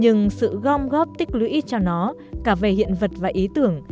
nhưng sự gom góp tích lũy cho nó cả về hiện vật và ý tưởng